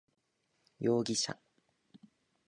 容疑者